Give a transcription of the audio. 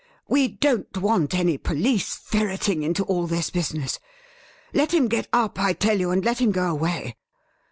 ' We don't want any police ferreting into all this business. Let him get up, I tell you, and let him go away.